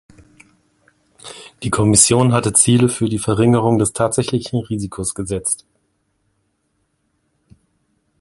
Die Kommission hatte Ziele für die Verringerung des tatsächlichen Risikos gesetzt.